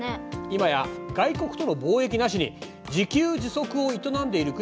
今や外国との貿易なしに自給自足を営んでいる国はほとんどない。